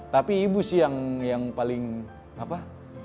tapi ibu sih yang paling apa